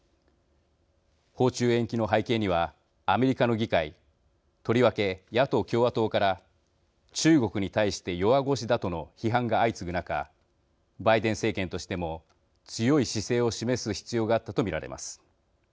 訪中延期の背景にはアメリカの議会とりわけ、野党・共和党から中国に対して弱腰だとの批判が相次ぐ中、バイデン政権としても強い姿勢を示す必要があったと見られます。